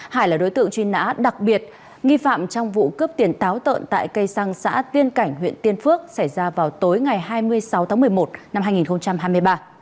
hải là đối tượng truy nã đặc biệt nghi phạm trong vụ cướp tiền táo tợn tại cây xăng xã tiên cảnh huyện tiên phước xảy ra vào tối ngày hai mươi sáu tháng một mươi một năm hai nghìn hai mươi ba